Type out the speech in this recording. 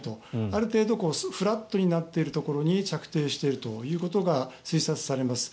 ある程度フラットになっているところに着底しているということが推察されます。